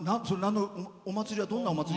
お祭りはどんなお祭り？